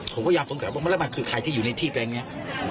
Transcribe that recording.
ผมพยายามสงสัยว่าแล้วมันคือใครที่อยู่ในที่แปลงนี้